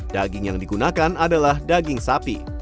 daging yang digunakan adalah daging sapi